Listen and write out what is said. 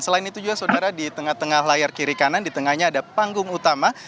selain itu juga saudara di tengah tengah layar kiri kanan di tengahnya ada panggung utama